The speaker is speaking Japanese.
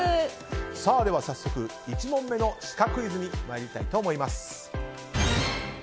では早速、１問目のシカクイズに参りたいと思います。